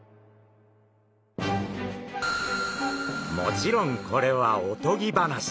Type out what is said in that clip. もちろんこれはおとぎ話。